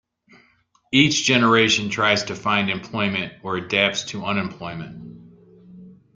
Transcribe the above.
Each generation tries to find employment or adapts to unemployment.